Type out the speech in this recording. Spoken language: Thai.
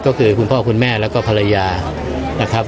ก็คือคุณพ่อคุณแม่แล้วก็ภรรยานะครับ